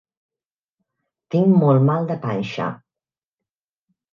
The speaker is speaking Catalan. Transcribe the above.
Tinc molt mal de panxa.